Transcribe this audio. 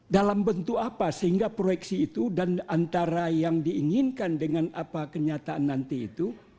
dalam bentuk apa sehingga proyeksi itu dan antara yang diinginkan dengan apa kenyataan nanti itu